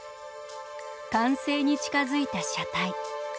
完成に近づいた車体。